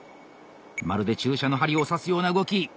まるで注射の針を刺すような動き。